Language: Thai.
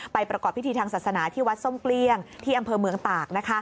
ประกอบพิธีทางศาสนาที่วัดส้มเกลี้ยงที่อำเภอเมืองตาก